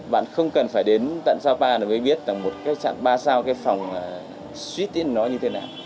bạn không cần phải đến tận sapa để biết một trạm ba sao phòng suýt nó như thế nào